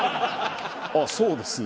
ああそうですね。